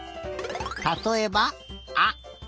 たとえば「あ」。